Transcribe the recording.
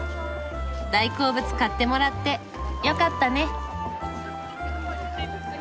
大好物買ってもらってよかったね。